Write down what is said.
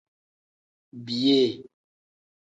Biyee.